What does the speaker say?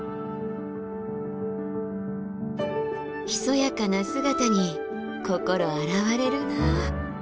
ひそやかな姿に心洗われるなあ。